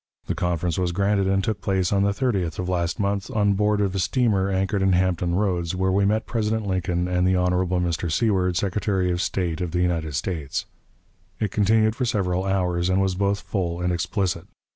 The conference was granted and took place on the 30th ult., on board of a steamer anchored in Hampton Roads, where we met President Lincoln and the Hon. Mr. Seward, Secretary of State of the United States. It continued for several hours, and was both full and explicit.